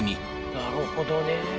なるほどね。